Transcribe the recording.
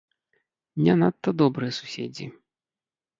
Не надта добрыя суседзі.